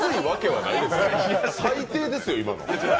最低ですよ、今の。